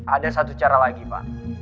ada satu cara lagi pak